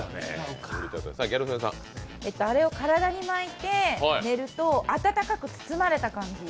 あれを体に巻いて寝ると温かく包まれた感じ。